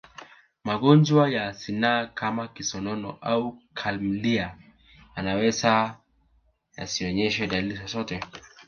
Magonjwa ya zinaa kama kisonono au klamidia yanaweza yasionyeshe dalili zozote